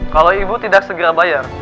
kalau ibu tidak segera bayar